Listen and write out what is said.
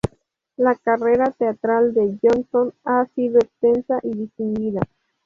La carrera teatral de Johnson ha sido extensa y distinguida.